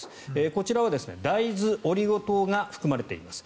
こちらは大豆、オリゴ糖が含まれています。